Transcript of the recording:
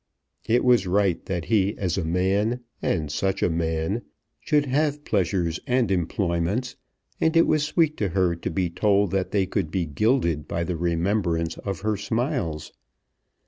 It was right that he as a man, and such a man, should have pleasures and employments, and it was sweet to her to be told that they could be gilded by the remembrance of her smiles.